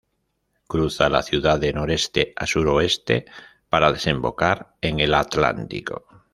Cruza la ciudad de noreste a suroeste para desembocar en el Atlántico.